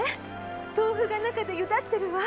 豆腐が中でゆだってるわ！